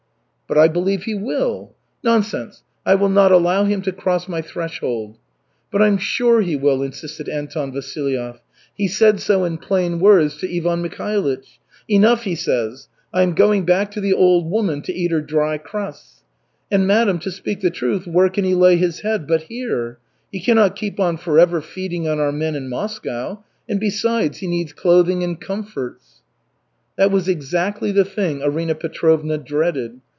"But I believe he will." "Nonsense, I will not allow him to cross my threshold." "But I'm sure he will," insisted Anton Vasilyev. "He said so in plain words to Ivan Mikhailych. 'Enough,' he says, 'I am going back to the old woman to eat her dry crusts.' And, madam, to speak the truth, where can he lay his head but here? He cannot keep on forever feeding on our men in Moscow. And besides, he needs clothing and comforts." That was exactly the thing Arina Petrovna dreaded.